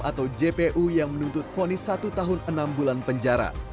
atau jpu yang menuntut fonis satu tahun enam bulan penjara